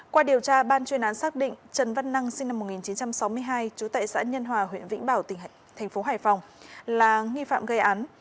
qua điều tra ban chuyên án xác định trần văn năng sinh năm một nghìn chín trăm sáu mươi hai trú tại xã nhân hòa huyện vĩnh bảo thành phố hải phòng là nghi phạm gây án